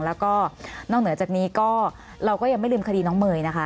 แล้วก็นอกเหนือจากนี้ก็เราก็ยังไม่ลืมคดีน้องเมย์นะคะ